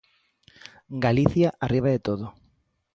Galicia, arriba de todo.